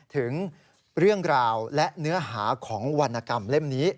ถึงเรื่องราวและเนื้อหาของวรรณกรรมเล่มนี้